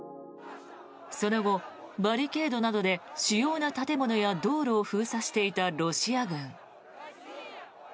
その後、バリケードなどで主要な建物や道路を封鎖していたロシア軍。